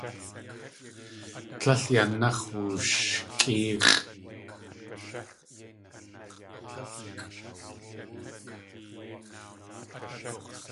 Tlél yanax̲ wushkʼéex̲ʼ.